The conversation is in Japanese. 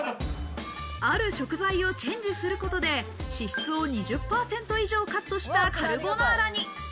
ある食材をチェンジすることで、脂質を２０％以上カットしたカルボナーラに。